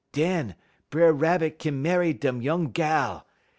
Den B'er Rabbit kin marry dem noung gal.